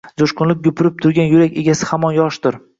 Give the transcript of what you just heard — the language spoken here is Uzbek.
Jo’shqinlik gupurib turgan yurak egasi hamon yoshdir.